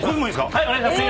はいお願いします。